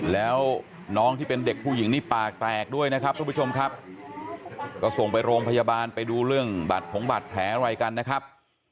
แล้วน้องที่เป็นเด็กผู้หญิงนี่ปากแตกด้วยนะครับทุกผู้ชมครับก็ส่งไปโรงพยาบาลไปดูเรื่องบาดผงบาดแผลอะไรกันนะครับ